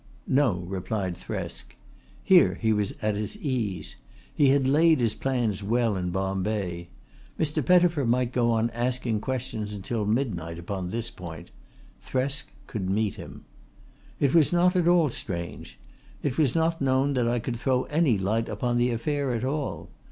"No," replied Thresk. Here he was at his ease. He had laid his plans well in Bombay. Mr. Pettifer might go on asking questions until midnight upon this point. Thresk could meet him. "It was not at all strange. It was not known that I could throw any light upon the affair at all.